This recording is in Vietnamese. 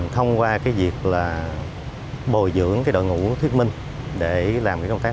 thông qua việc bồi dưỡng đội ngũ thuyết minh để làm công tác